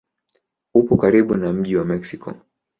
Upo karibu na mji wa Meksiko.